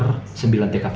ada sekitar sembilan tkp